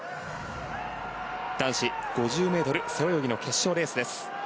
男子５０ｍ背泳ぎの決勝レースです。